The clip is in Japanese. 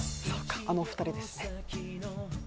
そうか、あの２人ですね。